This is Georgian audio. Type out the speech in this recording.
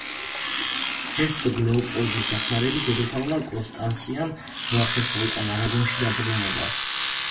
ჰერცოგ ლეოპოლდის დახმარებით, დედოფალმა კონსტანსიამ მოახერხა უკან, არაგონში დაბრუნება.